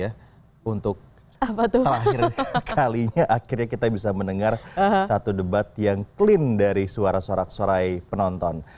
dan untuk terakhir kalinya akhirnya kita bisa mendengar satu debat yang clean dari suara sorak sorai penonton